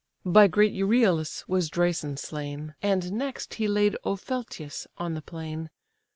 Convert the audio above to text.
By great Euryalus was Dresus slain, And next he laid Opheltius on the plain.